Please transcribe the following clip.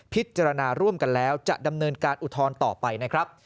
พิจารณาร่วมกันแล้วจะดำเนินการอุทธรณ์ต่อไปนะครับ